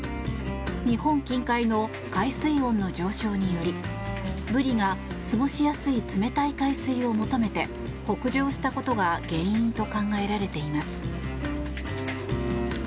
日本近海の海水温の上昇によりブリが過ごしやすい冷たい海水を求めて北上したことが原因と考えられています。